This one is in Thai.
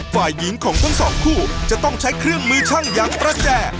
ฝ่ายหญิงของทั้งสองคู่จะต้องใช้เครื่องมือช่างอย่างประแจ